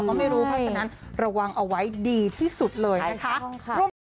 ก็ไม่รู้เพราะฉะนั้นระวังเอาไว้ดีที่สุดเลยนะคะ